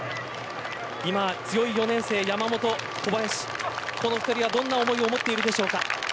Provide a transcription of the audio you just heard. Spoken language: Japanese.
今、強い４年生、山本小林、この２人はどんな思いを持っているでしょうか。